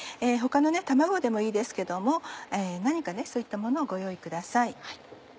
他の卵でもいいですけども何かそういったものをご用意ください。